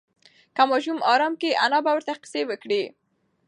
که ماشوم ارام کښېني، انا به ورته قصه وکړي.